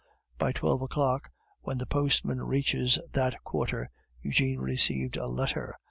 By twelve o'clock, when the postman reaches that quarter, Eugene received a letter.